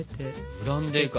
ブランデーか。